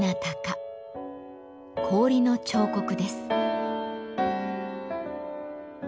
氷の彫刻です。